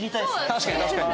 確かに確かに。